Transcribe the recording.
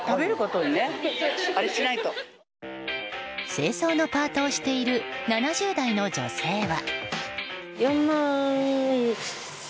清掃のパートをしている７０代の女性は。